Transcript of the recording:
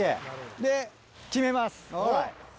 で決めます。